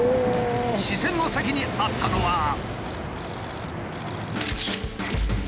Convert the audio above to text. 視線の先にあったのは。